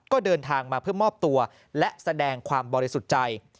ก็เดินทางมาเพื่อมอบตัวและแสดงความบริสุทธิ์ใจ